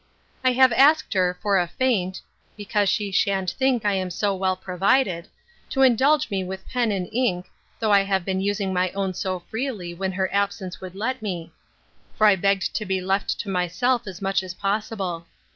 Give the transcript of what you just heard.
I have asked her, for a feint, (because she shan't think I am so well provided,) to indulge me with pen and ink, though I have been using my own so freely when her absence would let me; for I begged to be left to myself as much as possible.